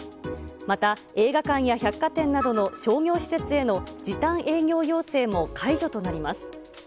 また映画館や百貨店などの商業施設への時短営業要請も解除となります。